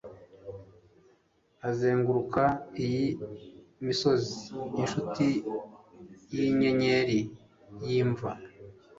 azenguruka iyi misozi, inshuti yinyenyeri yimva